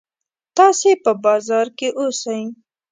تاسې په بازار کې اوسئ.